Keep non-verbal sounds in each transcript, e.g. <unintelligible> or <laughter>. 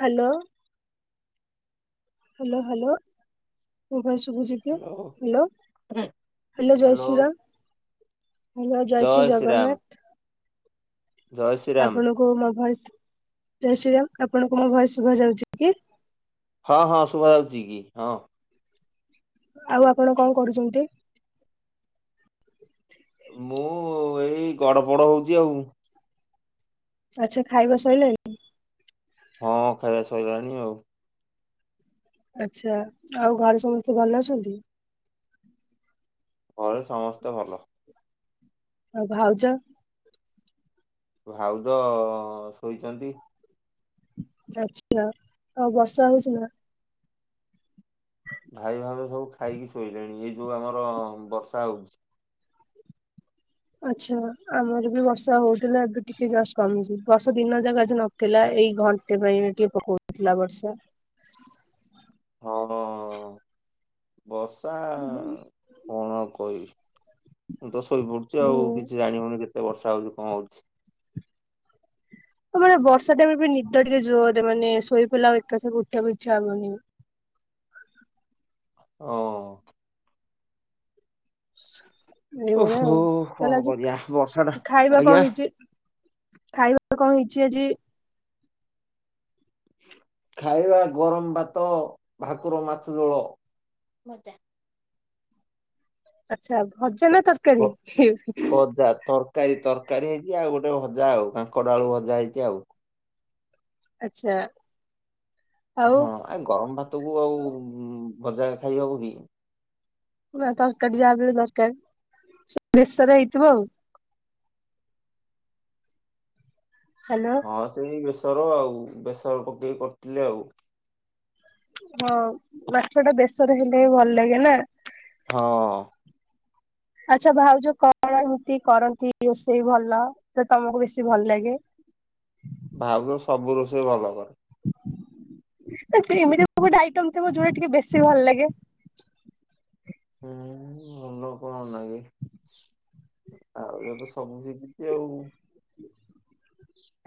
Hello hello hello ମୋ voice Subhu ଉଁ hello hello hello ଜୟ ହ୍ୟାଲୋ ଶ୍ରୀ ରାମ। ହ୍ୟାଲୋ ଜୟ ଶ୍ରୀ ଜଗନ୍ନାଥ। ଜୟ ଶ୍ରୀରାମ। କୁ ମୋ ଭଏସ ଜୟ ଶ୍ରୀରାମ ଆପଣଙ୍କୁ ମୋ ଭୟସ ଶୁଭା ଯାଉଛି କି? ହଁ ହଁ ଶୁଭା ଯାଉଛି କି ହଁ। ଆଉ ଆପଣ କଣ କରୁଛନ୍ତି? ମୁଁ ଏଇ ଗଡ ପଡ ହଉଛି ଆଉ। ଆଚ୍ଛା ଖାଇବା ସଇଲାଣି? ହଁ ଖାଇବା ସଇଲାଣି ଆଉ। ଆଛା ଆଉ ଘରେ ସମସ୍ତେ ଭଲ ଅଛନ୍ତି? ଘରେ ସମସ୍ତେ ଭଲ। ଆଉ ଭାଉଜ? ଭାଉଜ ଶୋଇଛନ୍ତି। ଆଛା ଆଉ ବର୍ଷା ହଉଛି ନା? ଭାଇ ଭାଉଜ ସବୁ ଖାଇକି ଶୋଇଲେଣି ଏଇ ଯୋଉ ଆମର ବର୍ଷା ହଉଛି। ଆଛା ଆମର ବି ବର୍ଷା ହଉଥିଲା ଏବେ ଟିକେ ଜଷ୍ଟ କମିଛି ବର୍ଷା ଦିନ ଜାଗ ଆଜି ନ ଥିଲା ଏଇ ଘଣ୍ଟେ ପାଇଁ ଟିକେ ପକଉଥିଲା ବର୍ଷା। ହଁ ବର୍ଷା କଣ ଆଉ କହିବି। ମୁଁ ତ ଶୋଇପଡୁଛି ଆଉ ହୁଁ କିଛି ଜାଣିହଉନି କେତେ ବର୍ଷା ହଉଛି କଣ ହଉଛି। ଆ ମାନେ ବର୍ଷା ଟାଇମ୍ ବି ନିଦ ଟିକେ ଜୋରରେ ମାନେ ଶୋଇ ପଇଲେ ଆଉ ଏକାଥ କୁ ଉଠିବାକୁ ଇଚ୍ଛା ହବନି। ଓ ହୋ। ଏଇ ଭଳିଆ ଆଉ ଓହୋ ତାହଲେ କଣ ଆଜି କରିବା ବର୍ଷା ଟା ଖାଇବା ଆଜ୍ଞା କଣ ହେଇଛି? ଖାଇବା କଣ ହେଇଛି ଆଜି? ଖାଇବା ଗରମ ଭାତ ଭାକୁର ମାଛ ଝୋଳ। ଆଚ୍ଛା ଭଜା ନା ତରକାରୀ? ଭଜା ତରକାରୀ ତରକାରୀ ହେଇଛି ଆଉ ଗୋଟେ ଭଜା ଆଉ କାଙ୍କଡ ଆଳୁ ଭଜା ହେଇଛି ଆଉ। ଆଚ୍ଛା। ଆଉ ହଁ ଆରେ ଗରମ ଭାତ କୁ ଆଉ ଭଜା ଖାଇ ହବ କି? ନା ତରକାରୀ ଯାହା ବି ହେଲେ ଦରକାର ସେ ବେଶର ହେଇଥିବ ଆଉ। ହ୍ୟାଲୋ। ହଁ ସେଇ ବେସର ଆଉ ବେସର ପକେଇକି କରିଥିଲେ ଆଉ। ହଁ ମାଛ ଟା ବେଶର ହେଲେ ବି ଭଲ ଲାଗେ ନା। ହଁ। ଆଛା ଭାଉଜ କଣ ଏମିତି କରନ୍ତି ରୋଷେଇ ଭଲ ତ ତମକୁ ବେଶୀ ଭଲ ଲାଗେ? ଭାଉଜ ସବୁ ରୋଷେଇ ଭଲ କରେ। <unintelligible> ଏମିତି ଗୋଟେ ଆଇଟମ ଥିବ ଯୋଉଟା ଟିକେ ବେଶୀ ଭଲ ଲାଗେ। <unintelligible> ଭାଉଜ ତ ସବୁ ଶିଖିଚି ଆଉ।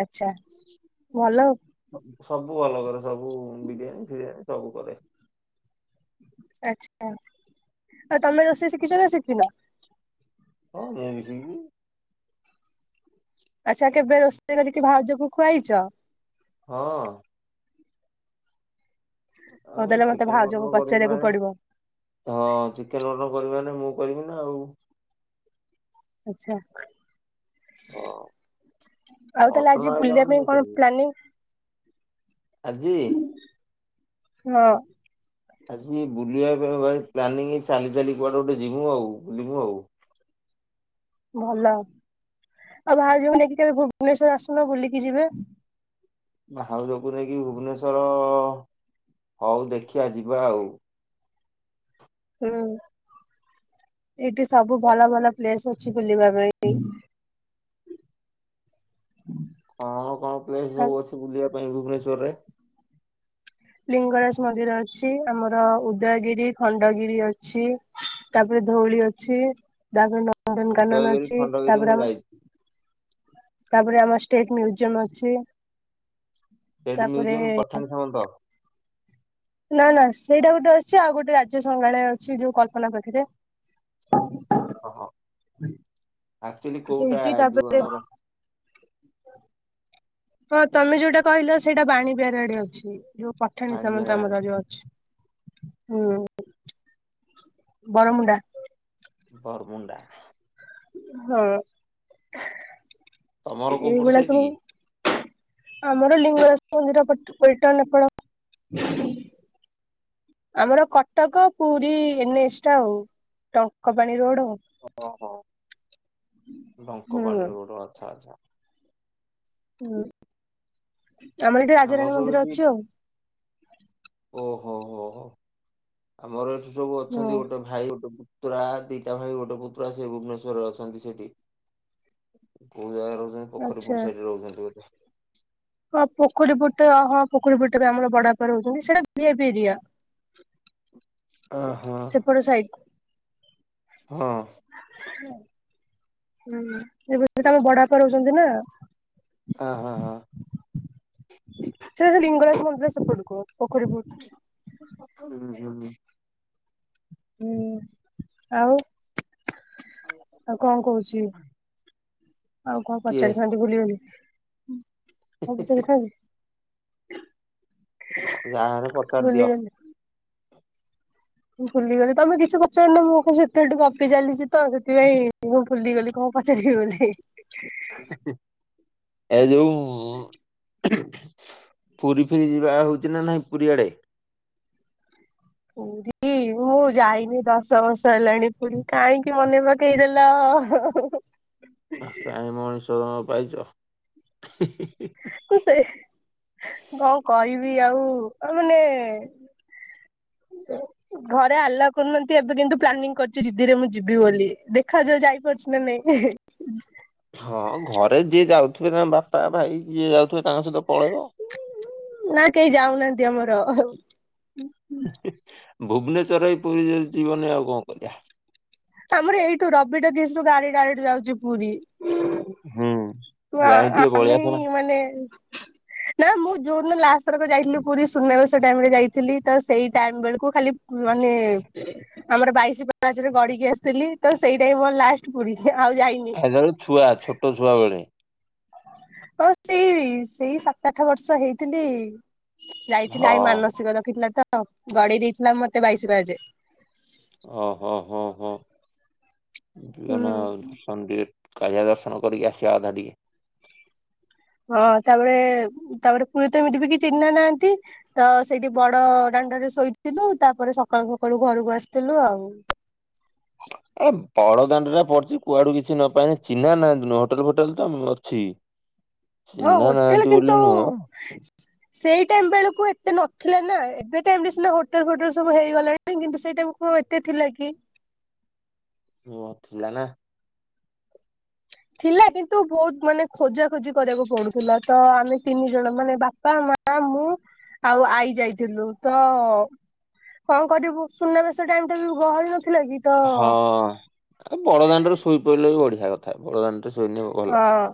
ଆଚ୍ଛା ଭଲ। ସବୁ ଭଲ କରେ ସବୁ ବିରିୟାନୀ ଫିରିୟାନୀ ସବୁ କରେ। ଆଚ୍ଛା ଆଉ ତମେ ରୋଷେଇ ଶିଖିଛ ନା ଶିଖିନ? ହଁ ମୁଁ ବି ଶିଖିଚି। ଆଚ୍ଛା କେବେ ରୋଷେଇ କରିକି ଭାଉଜକୁ ଖୁଆଇଛ? ହଁ। ହଉ ଆଉ ତାହେଲେ ମତେ ଚିକେନ ମଟନ ଭାଉଜଙ୍କୁ କରିବି ପଚାରିବାକୁ ମାନେ ପଡିବ। ହଁ ଚିକେନ, ମଟନ କରିବି ମାନେ ମୁଁ କରିବି ନା ଆଉ। ଆଛା। ହଁ ଆଉ ତାହେଲେ ମଟନ ଆଜି ଆଇଲା ବୁଲିବା ମାନେ ପାଇଁ ମୁଁ କଣ କରିବି। ପ୍ଲାନିଂ? ଆଜି? ହଁ। ଆଜି ବୁଲିବା ପାଇଁ ଭଏ ପ୍ଲାନିଂ ଚାଲି ଚାଲି କୁଆଡେ ଗୋଟେ ଯିମୁ ଆଉ ବୁଲିବୁ ଆଉ। ଭଲ ଆଉ ଭାଉଜଙ୍କୁ ନେଇକି କେବେ ଭୁବନେଶ୍ୱର ଆସୁନ ବୁଲିକି ଯିବେ। ଭାଉଜକୁ ନେଇକି ଭୁବନେଶ୍ଵର ହଉ ଦେଖିଆ ଯିବା ଆଉ। ହୁଁ ଏଠି ସବୁ ଭଲ ଭଲ ପ୍ଲେସ ଅଛି ବୁଲିବା ପାଇଁ। କଣ କଣ ପ୍ଲେସ ସବୁ ଅଛି ବୁଲିବା ପାଇଁ ଭୁବନେଶ୍ଵର ରେ? ଲିଙ୍ଗରାଜ ମନ୍ଦିର ଅଛି ଆମର ଉଦୟଗିରି, ଖଣ୍ଡଗିରି ଅଛି। ତାପରେ ଧଉଳି ଅଛି ତାପରେ ନନ୍ଦନକାନନ ଉଦୟଗିରି ଅଛି ଖଣ୍ଡଗିରି ମୁଁ ତାପରେ ଆମ ଯାଇଛି ତାପରେ ଆମ ଷ୍ଟେଟ ମ୍ୟୁଜିୟମ ଅଛି। ଟେଡ୍ ମ୍ୟୁଜିୟମ୍ ତାପରେ ପଠାଣି ସାମନ୍ତ। ନା ନା ସେଇଟା ଗୋଟେ ଅଛି ଆଉ ଗୋଟେ ରାଜ୍ୟ ସଂଗ୍ରାହାଳୟ ଅଛି ଯୋଉ କଳ୍ପନା ପାଖେରେ। ହହ ଆକ୍ଚୁଆଲି କୋଉଟା ସେଇଠି ଯୋଉ ତାପରେ ଆମର ହଁ ତମେ ଯୋଉଟା କହିଲ ସେଇଟା ବାଣୀ ବିହାର ଆଡେ ଅଛି ଯୋଉ ପଠାଣି ସାମନ୍ତ ଜଉ ମାଣ୍ଡିଆରେ ଆମର ଅଛି ହୁଁ। ବରମୁଣ୍ଡା। ବରମୁଣ୍ଡା। ହଁ ତମର କୋଉ ଏଇ ପଟ ଗୁଡା ସାଇଡ ସବୁ କି? ଆମର ଲିଙ୍ଗରାଜ ମନ୍ଦିର ପଲଟନ ଏପଳ ଆମର କଟକ ପୁରୀ ଏନ ଏସ୍ ଟା ଆଉ ଟଙ୍କପାଣି ରୋଡ ଆଉ। ଓ ହୋ ଡ଼ଙ୍କ ହୁଁ ପାଣି ରୋଡ଼ ଆଚଛା ଆଚ୍ଛା। ହୁଁ ଆମର ଏଠି ରାଜାରାଣୀ ସବୁ ମନ୍ଦିର ଏଠି ଅଛି ଆଉ। ଓହୋ ହୋ ହୋ ଆମର ଏଠି ସବୁ ହୁଁ ଅଛନ୍ତି ଗୋଟେ ଭାଇ ଗୋଟେ ପୁତୁରା ଦିଟା ଭାଇ ଗୋଟେ ପୁତ୍ର ଆ ସେ ଭୁବନେଶ୍ୱରରେ ଅଛନ୍ତି ସେଠି। କୋଉ ଜାଗାରେ ରହୁଛନ୍ତି ଆଚ୍ଛା ପୋଖରୀପୁଟ ସାଇଟରେ ରହୁଛନ୍ତି ବୋଧେ। ହଁ ପୋଖରୀ ପୁଟ ହଁ ପୋଖରୀ ପୁଟ ବି ଆମର ବଡବାପା ରଉଛନ୍ତି ସେଟା ଭିଆଇପି ଏରିଆ। ଅହ ହଁ ସେପଟ ସାଇଟ। ହୁଁ ହୁଁ ଏ ତମ ବଡାଆପା ରହୁଛନ୍ତି ନା? ହ ହଁ ହଁ। ସେଟା ସେ ଲିଙ୍ଗରାଜ ମନ୍ଦିର ସେପଟକୁ ପୋଖରୀପୁଟ ହୁଁ ହୁଁ। ହୁଁ ଆଉ। ଆଉ କଣ କହୁଛି ଆଉ କଣ କିଏ ପଚାରିଥା ଭୁଲିଗଲି କଣ ପଚାରିଥାନ୍ତି। ଯାହାରେ ପଚାରିଦିଅ। ଭୁଲିଗଲି। ଭୁଲିଗଲି ତମେ କିଛି ପଚାରିନ ମୁଁ କ ସେତେଠୁ କପି ଚାଲିଛି ତ ସେଥିପାଇଁ ମୁଁଭୁଲିଗଲି କଣ ପଚାରିକ ବୋଲି। ଏ ଯେଉ। ପୁରୀ ଫିରି ଯିବା ହେଉଛି ନା ନାହିଁ ପୁରୀଆଡ଼େ। ପୁରୀ ମୁଁ ଯାଇନି ଦଶ ବର୍ଷ ହେଲାଣି ପୁରୀ କାହିଁକି ମନେ ପକେଇଦେଲ ହଁ କାହିଁ ମଣିଷ ଜନମ ପାଇଛ? <unintelligible> କୁ ସେ କଣ କରିବି ଆଉ ଆଉ ମାନେ ହ <unintelligible> ଘରେ ଆଲାଉ କରୁନାହାନ୍ତି ଏବେ କିନ୍ତୁ ପ୍ଲାନିଂ କରିଛି ଦିଦିରେ ମୁଁ ଯିବି ବୋଲି ଦେଖା ଯାଉ ଯାଇପାରୁଛି ନା ନାଇଁ। ଠିକ <unintelligible> ହଁ ଘରେ ଯିଏ ଯାଉଥିବେ ତାଙ୍କ ବାପା ଭାଇ ଯିଏ ଯାଉଥିବେ ତାଙ୍କ ସହିତ ପଳେଇବ। ନା କେହି ଯାଉନାହାନ୍ତି ଆମର ଆଉ। ଭୁବନେଶ୍ର ରଇ ପୁରୀ ଯଦି ଯିବନି ଆଉ କଣ କରିବା। ଆମର ଏଇଠୁ ରବିଟକିଜ ରୁ ଗାଡି ଡାଇରେକ୍ଟ ଯାଉଛି ପୁରୀ। ହୁଁ ନାଁ ଯାଇ ଟିକେ ବଳିଆ ଆମେହି କର ମାନେ ନା ମୁଁ ଯୋଉ ଦିନ ଲାଷ୍ଟ ଥରକ ଯାଇଥିଲି ପୁରୀ ସୁନାବେଶ ଟାଇମ ରେ ଯାଇଥିଲି ତ ସେଇ ଟାଇମ ବେଳକୁ ଖାଲି ମାନେ ଆମର ବାଇଶି ପାଚରେ ଗଡିକି ଆ ଥିଲି ତ ସେଇଟାଇ ମୋର ଲାଷ୍ଟ ପୁରୀ ଆଉ ଯାଇ ସେତେବେଳେ ଛୁଆ ଛୋଟ ଛୁଆ ବେଳେ। ହଁ ସେଇ ସେଇ ସାତ ଆଠ ବର୍ଷ ହେଇଥିଲି ଯାଇଥିଲି ହଁ ଆଇ ମାନସିକ ରଖିଥିଲା ତ ଗଡେଇ ଦେଇଥିଲା ମତେ ବାଇସି ପାହାଚେ। ଓ ହୋ ହୋ ହୋ <unintelligible> ହୁଁ ମନ୍ଦିର କାଳିଆ ଦର୍ଶନ କରିକି ଆସିବା ଅଧା ଟିକେ। ହଁ ତାପରେ ତାପରେ ପୁରୀ ତ ଏମିତି ବି କେଇ ଚିହ୍ନା ନାହାନ୍ତି। ତ ସେଇଠି ବଡ ଡାଣ୍ଡ ରେ ଶୋଇଥିଲୁ, ତାପରେ ସକାଳୁ ସକାଳୁ ଘରକୁ ଆସିଥିଲୁ ଆଉ। ଏ ବଡ଼ଦାଣ୍ଡଟା ପଡିଛି କୁଆଡୁ କିଛି ନ ପାଇନେ ଚିହ୍ନା ନାହାନ୍ତି ନୁହଁ ହୋଟେଲ ଫୋଟେଲ ତ ମ ଅଛି। ହଁ ଚିହ୍ନା ହୋଟେଲ ନାହାନ୍ତି କିନ୍ତୁ ବୋଲି ନୁହଁ ସେଇ ଟାଇମ ବେଳକୁ ଏତେ ନଥିଲା ନା ଏବେ ଟାଇମରେ ସିନା ହୋଟେଲ ଫୋଟେଲ ସବୁ ହେଇଗଲା ନି କିନ୍ତୁ ସେଇଟା କୁ କଣ ଏତେ ଥିଲା କି। ହୁଅ ଥିଲା ନା। ଥିଲା କିନ୍ତୁ ବହୁତ ମାନେ ଖୋଜା ଖୋଜି କରିବାକୁ ପଡୁଥିଲା ତ ଆମେ ତିନି ଜଣ ମାନେ ବାପା, ମା, ମୁଁ ଆଉ ଆଈ ଯାଇଥିଲୁ ତ କଣ କରିବୁ ସୁନାବେଶ ଟାଇମଟା ବି ଗହଳି ନଥିଲା କି ତ ହଁ ବଡଦାଣ୍ଡରେ ଶୋଇପଇଲେ ବି ବଢିଆ କଥା ବଡଦାଣ୍ଡରେ ଶୋଇନେ ଭଲ। ଅ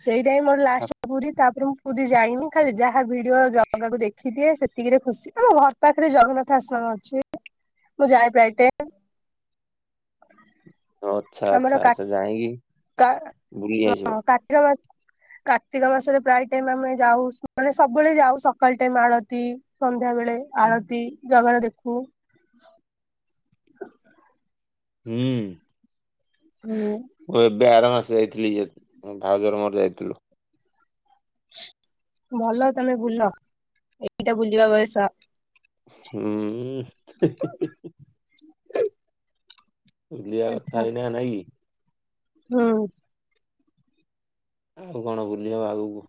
ସେଇଟାଇ ମୋର ଠା- ଲାଷ୍ଟ ପୁରୀ ତାପରେ ମୁଁ ପୁରୀ ଯାଇନି ଖାଲି ଯାହା ଭିଡିଓ ଜାଗାକୁ ଦେ ଖିଦିଏ ସେତିକିରେ ଖୁସି। ଆମ ଘର ପାଖରେ ଜଗନ୍ନାଥ ଆଶ୍ରମ ଅଛି, ମୁଁ ଯାଏ ପ୍ରାୟେ ଟାଇମ୍। ଆଚ୍ଛା ଆଚ୍ଛା ଆମର କା ଆଚ୍ଛା ଯାଇକି କା ବୁଲି ଆସିବ ହଁ କାର୍ତ୍ତିକ ମାସ କାର୍ତ୍ତିକ ମାସରେ ପ୍ରାୟ ଟାଇମ ଆମେ ଯାଉ ମାନେ ସବୁବେଳେ ଯାଉ ସକାଳ ଟାଇମ ଆଳତି ସନ୍ଧ୍ୟା ବେଳେ ଆଳତୀ ଜଗନା ଦେଖୁ। ହ <unintelligible> ହୁଁ। ହୁଁ। ମୁଁ ଏବେ ଆର ମାସେ ଯାଇଥିଲି ଯେତୁ ଭାଉଜର ମୋର ଯାଇଥିଲୁ। ଭଲ ତମେ ବୁଲ, ଏଇଟା ବୁଲିବା ବୟସ। ହୁଁ <inaudible> ବୁଲିଆ କଥା ଆଚ୍ଛା ଏଇନା ନାଇଁ କି ହୁଁ। ଆଉ କଣ ବୁଲିହବ ଆଗକୁ।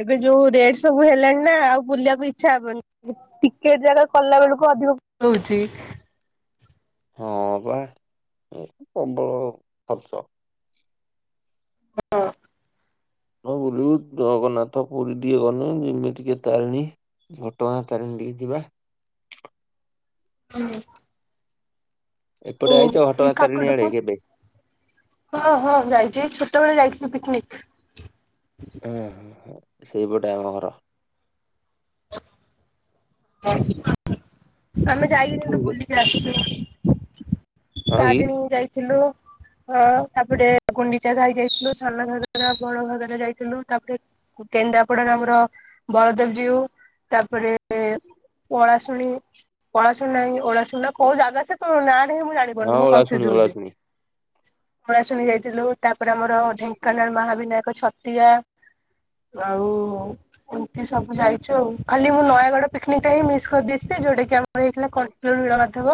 ଏବେ ଯୋଉ ରେଟ୍ ସବୁ ହେଲାଣି ନା ଆଉ ବୁଲିବାକୁ ଇଚ୍ଛା ହବନି। ଟିକେଟ ଜାଗା କଲା ବେଳକୁ ଅଧିକ ହୋଉଛି। ହଁ ପା <unintelligible> ଖର୍ଚ୍ଚ। ହଁ। କଣ ବୁଲିବୁ ଜଗନ୍ନାଥ ପୁରୀ ଟିକେ ଗନୁ, ଯିମି ଟିକେ ତାରିଣୀ। ଘଟଗାଁ ତାରିଣୀ ଟିକେ ଯିବା। ହୁଁ। ଓ ଏପଟେ ଆଇଛ ଏଇ ଘଟଗାଁ ତାରିଣୀ ଆଡେ କାକଟପୁର। କେବେ? ହଁ ହଁ ଯାଇଛି ଛୋଟବେଳେ ଯାଇଥିଲି ପିକନିକ୍। ହୁଁ ହୁଁ ହୁଁ ସେଇପଟେ ଆମ ଘର। ଆମେ ଯାଇକି କିନ୍ତୁ ଠିକ୍ ଅଛି ବୁଲିକି ଆସିଛୁ। ହଁ କି ତାରିଣୀ ଯାଇଥିଲୁ। ହଁ ତାପରେ ଗୁଣ୍ଡିଚାଘାଇ ଯାଇଥିଲୁ ସାନ ଘାଗରା ବଡ ଘାଗରା ଯାଇଥିଲୁ ତାପରେ କେନ୍ଦ୍ରାପଡାରେ ଆମର ବଳଦେବଜୀଉ ତାପରେ ପଳାଶୁଣି ପଳାଶୁଣି ନାହିଁ ଓଳା ଶୁଣି କୋଉ ଜାଗା ସେ ତା ନା ମୁଁ ଜାଣିି ହଁ ଜାଣିନି ମୁ କନ୍ ଫିଉଜ୍ ଓଳାଶୁଣି ହଉଚି ଓଳାଶୁଣି। ପଳା ଶୁଣି ଯାଇଥିଲୁ ତାପରେ ଆମର ଢେଙ୍କ୍ ଢେଙ୍କାନାଳ ମାହାବିନାୟକ ଛତିଆ। ଆଉ ଏମିତି ସବୁ ଯାଇଚୁ ଆଉ ଖାଲି ମୁଁ ନୟାଗଡଡ଼ ପିକ୍ନିକ୍ ଟା ହିଁ ମିସ୍ କରିଦେଇଥିଲି ଯୋଉଟା କି ଆ ଆମର ହେଇଥିଲା କଣ୍ଟିଲନୀଳ ମାଧବ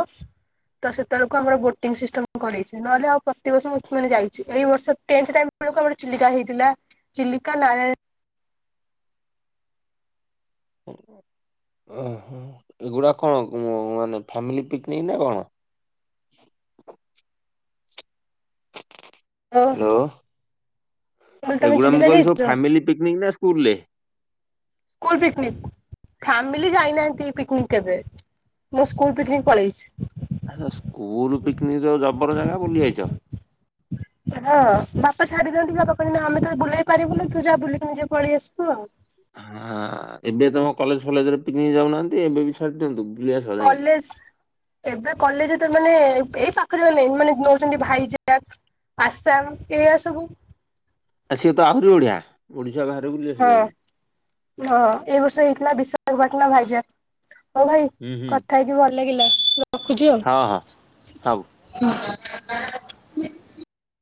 ତ ସେତେବେଳେ କ୍ କୁ ଆମର ବୋଟିଂ ସିଷ୍ଟମ୍ କରେଇଚି ନହେଲେ ଆଉ ପ୍ରତିବର୍ଷ ମୁ <inaudible> ଯାଇଛି ଏଇବର୍ଷ ଟେନ୍ ଥି ଟାଇମ୍ ଆରଥିରିକ ଆମର ଚିଲିକା ହେଇଥିଲା। ଚିଲିକା ନୟା ଓହୋ। ଏଗୁଡା କଁ ମାନେ ଫାମିଲି ପିକ୍ନିକ୍ ନା କଣ? ମୁଁ ହାଲୋ। କହିଲି ତମେ ଏଗୁଡ଼ା ମୁଁ ଚିଲିକା କଇଲି ଯାଇଛ ଫାମିଲି ପିକ୍ନିକ୍ ନା ସ୍କୁଲ୍ ରେ? ସ୍କୁଲ୍ ପିକ୍ନିକ୍ ଫ୍ୟାମିଲି ଯାଇନାହାନ୍ତି ପିକ୍ ନିକ୍ କେବେ। ମୁଁ ସ୍କୁଲ୍ ପିକ୍ ନିକ୍ ପଳେଇଛି। ଆଲୋ ସ୍କୁଲ୍ ପିକ୍ନିକ୍ ଜବର ଜାଗା ବୁଲି ଆଇଚ। ହ। ହଁ। ବାପା ଛାଡି ଦିଅନ୍ତି ବାପା କହିବେ ଆମେ ତ ବୁଲେଇ ପାରିବୁନି ତୁ ଯାଆ ବୁଲିକି ନିଜେ ପଳେଇ ଆସିବୁ ଆଉ। ହଁ ଏବେ ତମ କଲେଜ୍ ଫଲେଜ୍ରେ ପିକ୍ନିକ୍ ଯାଉନାହାନ୍ତି ଏବେ ବି ଛାଡି ଦିଅନ୍ତୁ। ବୁଲି ଆସ ଯାଇକି। କଲେଜ୍। ଏବେ କଲେଜ୍ ତ ମାନେ ଏଇ ପାଖରେ ଗଲେ ମାନେ ନଉଚନ୍ତି ଭାଇ ଜୁହାକ୍। ଆସାମ୍ ଏଇଗୁରା ସବୁ। ଆ ସିଏ ତ ଆହୁରି ବଢିଆ ଓଡିଶା ବାହାରେ ହଁ। ବୁଲିଆସିବ ଯାଇଁକି। ହଁ, ଏ ବର୍ଷ ହେଇଥିଲା ବିଶାଖାପାଟଣ ଭାଇଜୁହାକ୍। ହଁ ଭାଇ ହୁଁ ହୁଁ। କଥା ହେ ହେଇକି ଭଲ ଲାଗିଲା ରଖୁଚି ହଁ ହଁ ହଉ। ଆଉ ହୁଁ।